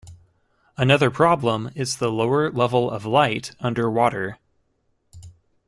Another problem is the lower level of light underwater.